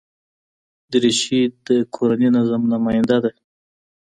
دریشي د کورني نظم نماینده ده.